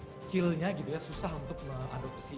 skillnya gitu ya susah untuk mengadopsi